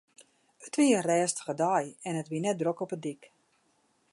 It wie in rêstige dei en it wie net drok op 'e dyk.